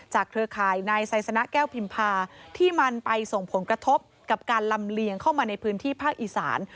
เครือข่ายนายไซสนะแก้วพิมพาที่มันไปส่งผลกระทบกับการลำเลียงเข้ามาในพื้นที่ภาคอีสาน